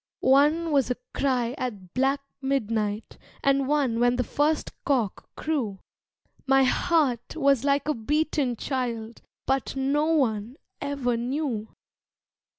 One was a cry at black midnight And one when the first cock crew My heart was like a beaten child, But no one ever knew.